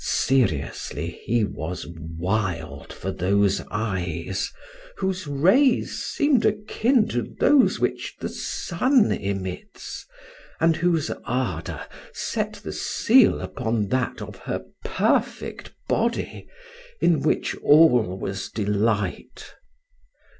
Seriously, he was wild for those eyes, whose rays seemed akin to those which the sun emits, and whose ardor set the seal upon that of her perfect body, in which all was delight.